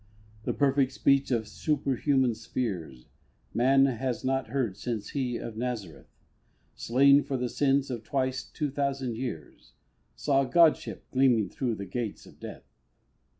The perfect speech of superhuman spheres Man has not heard since He of Nazareth, Slain for the sins of twice two thousand years, Saw Godship gleaming through the gates of Death.